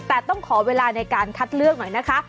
แต่ต้องขอเวลาในการคัดเลือกหน่อยนะคะ